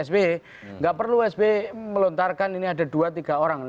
sbi enggak perlu sbi melontarkan ini ada dua tiga orang